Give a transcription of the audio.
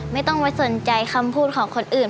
ไม่ต้องไปสนใจคำพูดของคนอื่น